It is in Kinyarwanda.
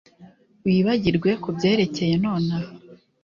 Wibagirwe kubyerekeye nonaha